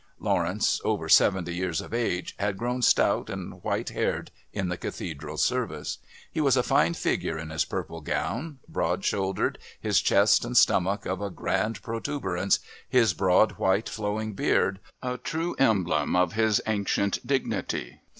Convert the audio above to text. Lawrence, over seventy years of age, had grown stout and white haired in the Cathedral's service. He was a fine figure in his purple gown, broad shouldered, his chest and stomach of a grand protuberance, his broad white flowing beard a true emblem of his ancient dignity.